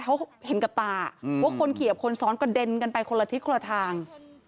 เขาเห็นกับตาว่าคนขี่กับคนซ้อนกระเด็นกันไปคนละทิศคนละทาง